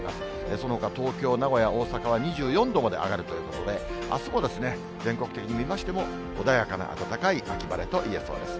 そのほか、東京、名古屋、大阪は２４度まで上がるということで、あすも全国的に見ましても、穏やかな暖かい秋晴れといえそうです。